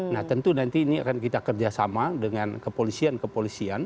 nah tentu nanti ini akan kita kerjasama dengan kepolisian kepolisian